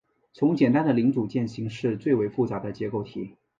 从简单的零组件型式最为复杂的结构体。